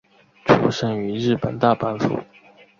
出身于日本大阪府。